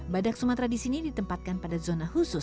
badak sumatera di sini ditempatkan pada zona khusus